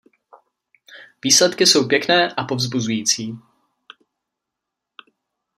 Výsledky jsou pěkné a povzbuzující.